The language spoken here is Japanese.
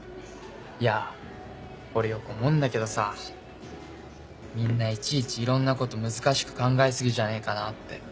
いや俺よく思うんだけどさみんないちいちいろんなこと難しく考え過ぎじゃねえかなって。